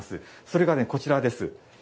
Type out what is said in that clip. それがねこちらです。